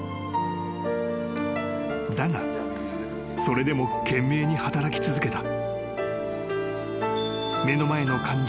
［だがそれでも懸命に働き続けた］